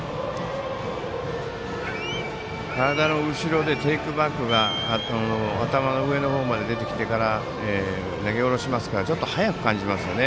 体の後ろでテイクバックが頭の上の方まで出てきてから投げ下ろしますからちょっと速く感じますね。